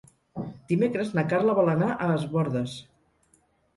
Dimecres na Carla vol anar a Es Bòrdes.